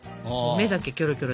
目だけキョロキョロ。